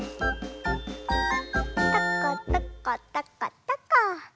とことことことこ。